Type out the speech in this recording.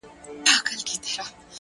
د حقیقت درناوی وجدان روښانوي!.